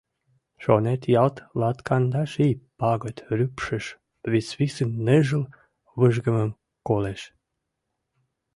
Шонет, ялт латкандаш ий пагыт рӱпшыш Висвисын ныжыл выжгымым колеш…